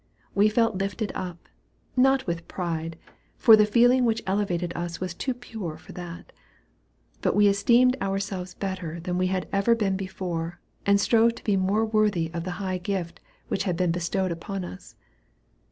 We felt lifted up not with pride for the feeling which elevated us was too pure for that; but we esteemed ourselves better than we had ever been before, and strove to be more worthy of the high gift which had been bestowed upon us.